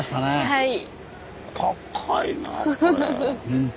はい。